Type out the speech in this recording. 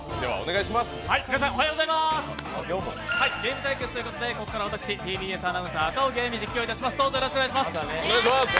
皆さん、おはようございますゲーム対決ということでここから私、ＴＢＳアナウンサー赤荻歩が実況します。